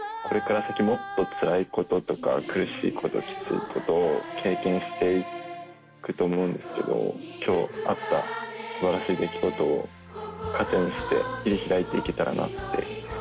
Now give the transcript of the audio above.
これから先もっとつらいこととか苦しいこときついことを経験していくと思うんですけど今日あったすばらしい出来事を糧にして切り開いていけたらなって。